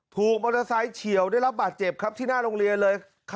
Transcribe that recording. ถูกมอเตอร์ไซค์เฉียวได้รับบาดเจ็บครับที่หน้าโรงเรียนเลย